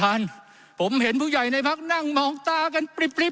ท่านประธาน